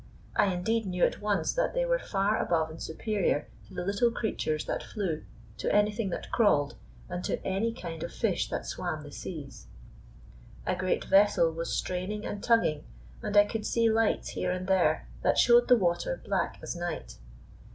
I indeed knew at once that they were far above and superior to the little creatures that flew, to anything that crawled, and to any kind of fish that swam the seas. A great vessel was straining and tugging, and I could see lights here and there that showed the water black as night.